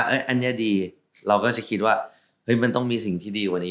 อันนี้ดีเราก็จะคิดว่ามันต้องมีสิ่งที่ดีกว่านี้